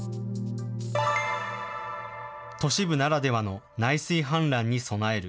都市部ならではの内水氾濫に備える。